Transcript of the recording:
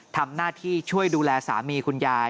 ทำหน้าที่ช่วยดูแลสามีคุณยาย